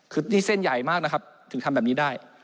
คือนี่เส้นใหญ่มากนะครับถึงทำแบบนี้ได้